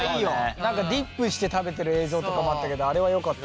何かディップして食べてる映像とかもあったけどあれはよかった。